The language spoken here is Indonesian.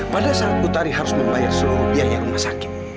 pada saat utari harus membayar seluruh biaya rumah sakit